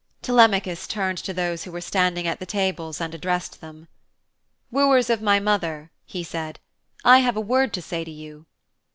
Telemachus turned to those who were standing at the tables and addressed them. 'Wooers of my mother,' he said, 'I have a word to say to you.'